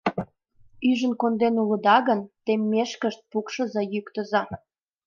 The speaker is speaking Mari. Ӱжын конден улыда гын, теммешкышт пукшыза-йӱктыза!